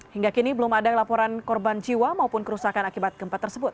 hingga kini belum ada laporan korban jiwa maupun kerusakan akibat gempa tersebut